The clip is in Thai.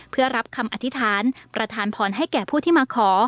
เพื่อรับคำอธิษฐานประธานพรให้แก่ผู้ที่มาขอ